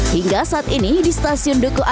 hingga saat ini di stasiun duku atas